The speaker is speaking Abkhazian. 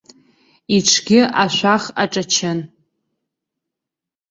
Иҽгьы ашәах аҿачын.